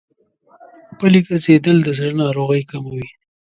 پلي ګرځېدل د زړه ناروغۍ کموي.